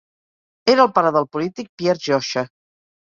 Era el pare del polític Pierre Joxe.